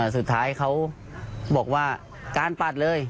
สุดท้ายเขาบอกว่าการปัดเลย